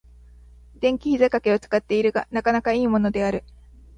電気ひざかけを使っているが、なかなか良いものである。